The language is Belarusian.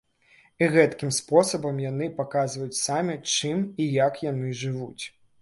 І гэткім спосабам яны паказваюць самі, чым і як яны жывуць.